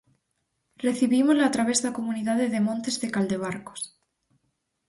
Recibímola a través da comunidade de montes de Caldebarcos.